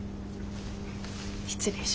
失礼します。